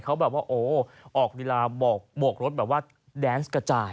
เขาแบบว่าโอ้ออกลีลาโบกรถแบบว่าแดนส์กระจาย